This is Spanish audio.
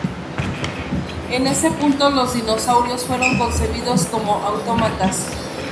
En ese punto los dinosaurios fueron concebidos como autómatas.